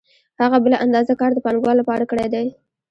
هغه بله اندازه کار د پانګوال لپاره کړی دی